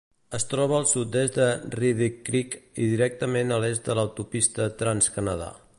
Es troba al sud-est de Redearth Creek i directament a l'oest de l'autopista Trans-Canada.